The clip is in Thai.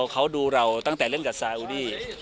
เขาดูเราตั้งแต่เล่นกับซาอุดี